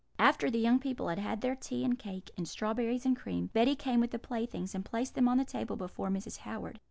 "After the young people had had their tea and cake, and strawberries and cream, Betty came with the playthings, and placed them on the table before Mrs. Howard.